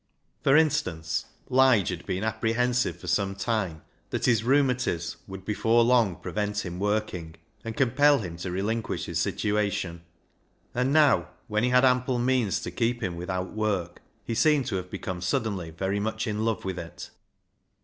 For instance, Lige had been apprehensive for some time that his " rheumatiz " would before long prevent him working, and compel him to relinquish his situation ; and now, when he had ample means to keep him without work, he seemed to have become suddenly very much in love with it.